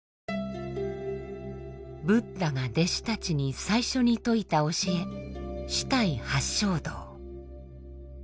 ブッダが弟子たちに最初に説いた教え四諦八正道。